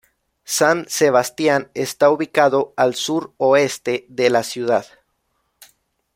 San Sebastián está ubicado al sur-oeste de la ciudad.